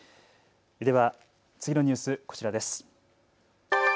では次のニュース、こちらです。